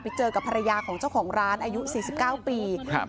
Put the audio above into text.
ไปเจอกับภรรยาของเจ้าของร้านอายุสี่สิบเก้าปีครับ